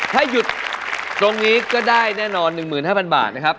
ถ้าหยุดตรงนี้ก็ได้แน่นอน๑๕๐๐บาทนะครับ